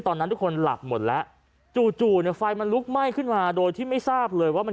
ตอนนั้นทุกคนหลับหมดแล้ว